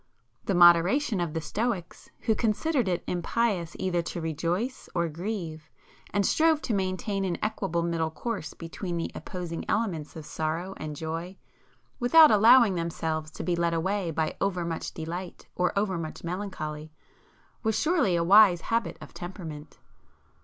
The moderation of the Stoics, who considered it impious either to rejoice or grieve, and strove to maintain an equable middle course [p 330] between the opposing elements of sorrow and joy, without allowing themselves to be led away by over much delight or over much melancholy, was surely a wise habit of temperament.